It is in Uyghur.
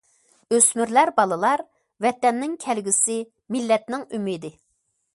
ئۆسمۈرلەر- بالىلار ۋەتەننىڭ كەلگۈسى، مىللەتنىڭ ئۈمىدى.